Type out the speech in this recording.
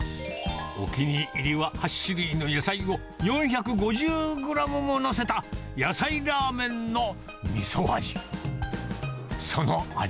お気に入りは８種類の野菜を、４５０グラムも載せた野菜ラーメンのみそ味。